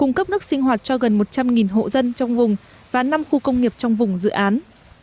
cung cấp nước sinh hoạt cho gần một trăm linh hộ dân trong vùng và năm khu công nghiệp trong vùng dự án